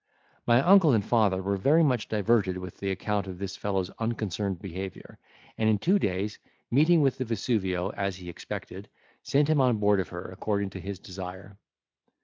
My uncle and father were very much diverted with the account of this fellow's unconcerned behaviour; and in two days, meeting with the Vesuvio, as he expected, sent him on board of her, according to his desire.